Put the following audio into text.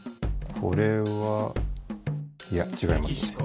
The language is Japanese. これはいやちがいますね。